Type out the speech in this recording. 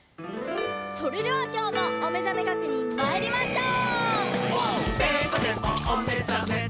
それではきょうもおめざめ確認まいりましょう！